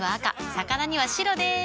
魚には白でーす。